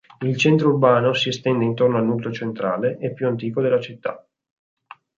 Il centro urbano si estende intorno al nucleo centrale e più antico della città.